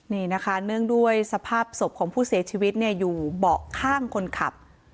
นี่นะคะเนื่องด้วยสภาพศพของผู้เสียชีวิตเนี่ยอยู่เบาะข้างคนขับ